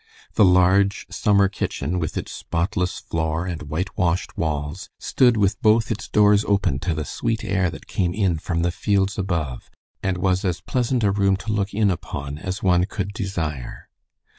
The large summer kitchen, with its spotless floor and white washed walls, stood with both its doors open to the sweet air that came in from the fields above, and was as pleasant a room to look in upon as one could desire.